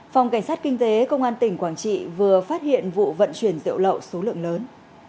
phòng cảnh sát kinh tế công an tỉnh quảng trị vừa phát hiện vụ vận chuyển rượu lậu số lượng lớn